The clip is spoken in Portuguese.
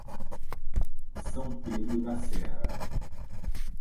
São Pedro da Serra